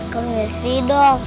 kau jangan sedih dong